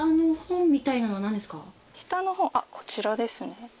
下の本あっこちらですね。